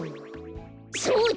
そうだ！